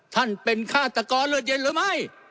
ท่านเป็นฆาตกรเลือดเย็นหรือไม่